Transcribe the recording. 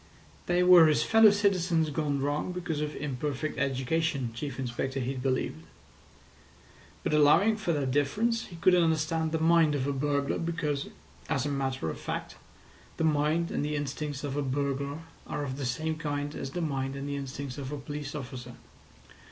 They were his fellow citizens gone wrong because of imperfect education, Chief Inspector Heat believed; but allowing for that difference, he could understand the mind of a burglar, because, as a matter of fact, the mind and the instincts of a burglar are of the same kind as the mind and the instincts of a police officer.